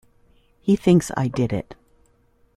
He thinks I did it.